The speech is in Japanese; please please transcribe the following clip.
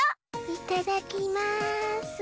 いただきます。